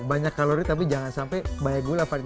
banyak kalori tapi jangan sampai banyak gula